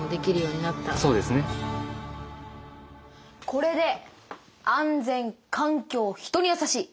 これで「安全」「環境」「人にやさしい」